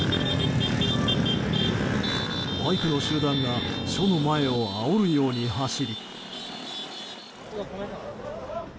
バイクの集団が署の前をあおるように走り。